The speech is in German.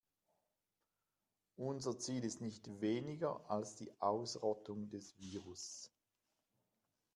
Unser Ziel ist nicht weniger als die Ausrottung des Virus.